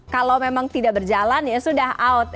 kalau memang tidak berjalan ya sudah out